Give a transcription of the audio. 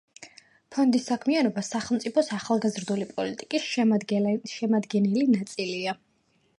ფონდის საქმიანობა სახელმწიფოს ახალგაზრდული პოლიტიკის შემადგენელი ნაწილია.